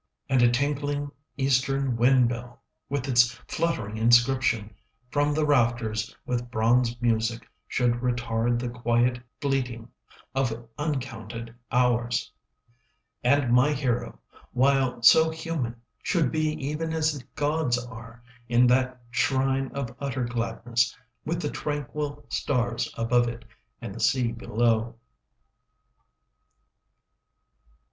20 And a tinkling Eastern wind bell, With its fluttering inscription, From the rafters with bronze music Should retard the quiet fleeting Of uncounted hours. 25 And my hero, while so human, Should be even as the gods are, In that shrine of utter gladness, With the tranquil stars above it And the sea below.